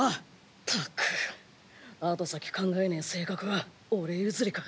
ったく後先考えねえ性格は俺譲りか。